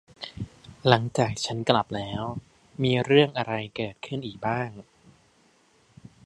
หลังจากฉับกลับแล้ว มีเรื่องอะไรเกิดขึ้นอีกบ้าง